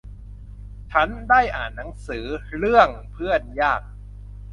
ฉันได้อ่านหนังสือเรื่องเพื่อนยาก